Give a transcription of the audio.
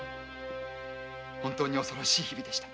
本当に恐ろしい毎日でした。